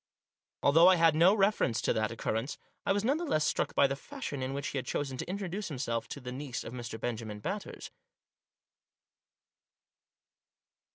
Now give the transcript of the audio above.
Although I made no reference to that occur rence, I was none the less struck by the fashion in which he had chosen to introduce himself to the niece of Mr. Benjamin Batters.